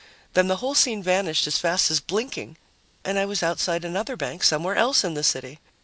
Then the whole scene vanished as fast as blinking and I was outside another bank somewhere else in the city.